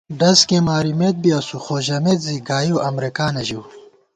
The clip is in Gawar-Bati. ڈز کېئی مارِمېت بی اسُو خو ژمېت زی گائیؤ امرېکانہ ژِؤ